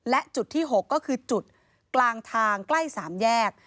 และจุดที่๖ก็คือจุดกลางทางใกล้๓แยก